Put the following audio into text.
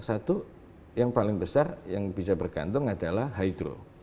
satu yang paling besar yang bisa bergantung adalah hydro